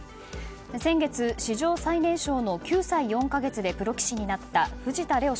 先月、史上最年少の９歳４か月でプロ棋士になった藤田怜央